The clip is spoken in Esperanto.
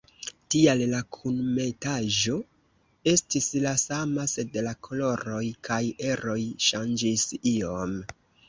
Tial la kunmetaĵo estis la sama, sed la koloroj kaj eroj ŝanĝis iom.